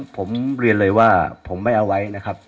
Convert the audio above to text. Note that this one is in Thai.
ผมเรียนเลยว่าผมไม่เอาไว้นะครับ